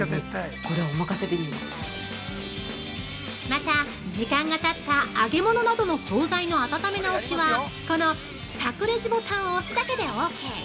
◆また、時間がたった揚げ物などの総菜の温め直しは、この「サクレジ」ボタンを押すだけでＯＫ。